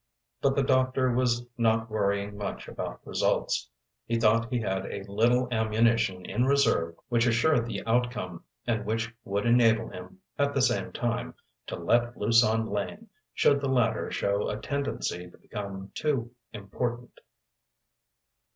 But the doctor was not worrying much about results. He thought he had a little ammunition in reserve which assured the outcome, and which would enable him, at the same time, to "let loose on Lane," should the latter show a tendency to become too important.